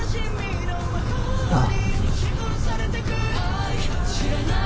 ああ